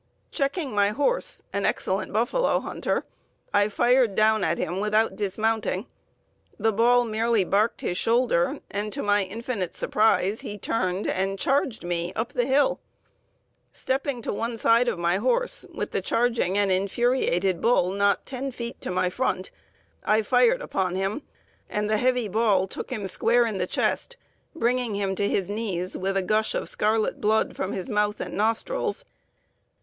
Checking my horse, an excellent buffalo hunter, I fired down at him without dismounting. The ball merely barked his shoulder, and to my infinite surprise he turned and charged me up the hill. Stepping to one side of my horse, with the charging and infuriated bull not 10 feet to my front, I fired upon him, and the heavy ball took him square in the chest, bringing him to his knees, with a gush of scarlet blood from his mouth and nostrils.